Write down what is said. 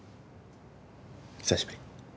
久しぶり。